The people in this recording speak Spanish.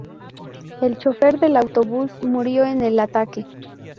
El chofer del autobús murió en el ataque.